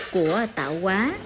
của tạo quá